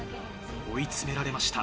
追い詰められました。